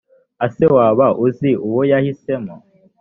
ese waba uzi uwo yahisemo?